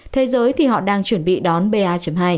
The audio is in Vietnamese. thế giới thì họ đang chuẩn bị đón ba hai